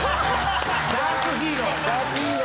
ダークヒーロー。